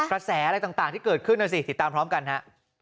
กระแสอะไรต่างที่เกิดขึ้นนะสิติดตามพร้อมกันฮะ